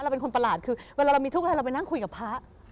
เป็นคนประหลาดคือเวลาเรามีทุกข์อะไรเราไปนั่งคุยกับพระ